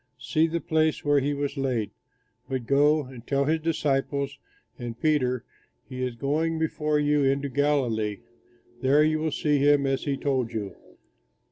See the place where he was laid! But go and tell his disciples and Peter, 'He is going before you into Galilee; there you will see him, as he told you.'"